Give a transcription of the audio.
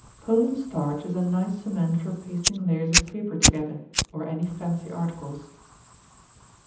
Poland starch is a nice cement for pasting layers of paper together, or any fancy articles.